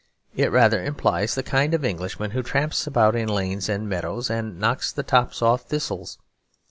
It rather implies the kind of Englishman who tramps about in lanes and meadows and knocks the tops off thistles.